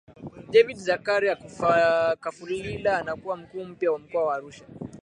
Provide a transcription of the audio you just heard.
David Zacharia Kafulila anakuwa Mkuu mpya wa mkoa wa Arusha